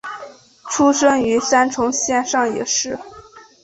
出生于三重县上野市。